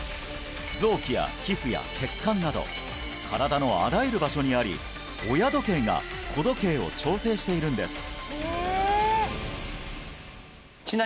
臓器や皮膚や血管など身体のあらゆる場所にあり親時計が子時計を調整しているんです